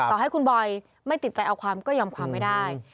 ต่อให้คุณบอยไม่ติดใจเอาความก็ยอมความไม่ได้